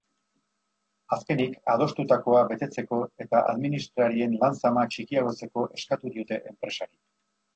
Azkenik, adostutakoa betetzeko eta administrarien lan-zama txikiagotzeko eskatu diote enpresari.